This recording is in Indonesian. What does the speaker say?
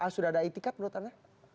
sudah ada etikat menurut anda